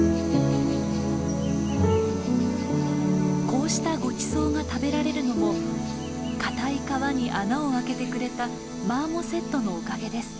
こうしたごちそうが食べられるのも堅い皮に穴を開けてくれたマーモセットのおかげです。